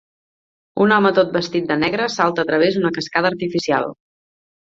Un home tot vestit de negre salta a través d'una cascada artificial.